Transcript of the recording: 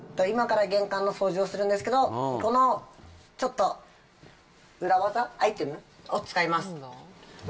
今から玄関の掃除をするんですけど、このちょっと裏技、アイテムを使います。